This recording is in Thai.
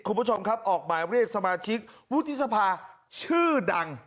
คุณผู้ชมครับออกหมายเรียกสมาชิกวุฒิสภาชื่อดัง